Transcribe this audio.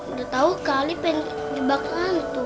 udah tau kak ali pengen dibakar ngantuk